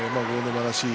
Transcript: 山らしい